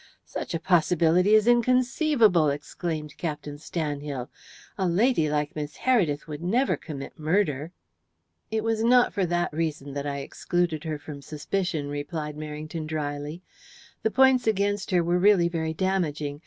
"Such a possibility is inconceivable," exclaimed Captain Stanhill. "A lady like Miss Heredith would never commit murder." "It was not for that reason that I excluded her from suspicion," replied Merrington drily. "The points against her were really very damaging.